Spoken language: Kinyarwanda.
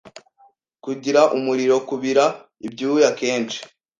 kugira umuriro, kubira ibyuya kenshi